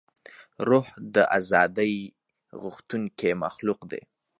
روح د ازادۍ غوښتونکی مخلوق دی.